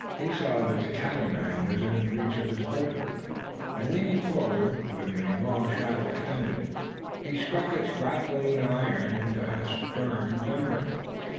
He saw that the Catamaran was within reach of his boat hook, and, leaning forwards with the long shaft extended, he struck its grappling iron into her stern timber.